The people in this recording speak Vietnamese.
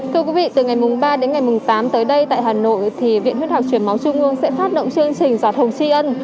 thưa quý vị từ ngày mùng ba đến ngày mùng tám tới đây tại hà nội thì viện huyết học chuyển máu trung ương sẽ phát động chương trình giọt hồng chi ân